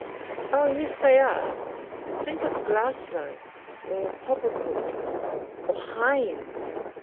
"Oh yes, they are. Think of Glasslough, or Popplecourt, or Hindes!